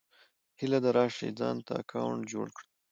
هيله ده راشٸ ځانته اکونټ جوړ کړى